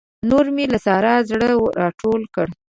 نور مې له سارا زړه راټول کړ.